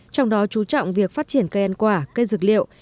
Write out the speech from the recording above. trong đó chú trọng việc phát triển cây ăn quả cây dược liệu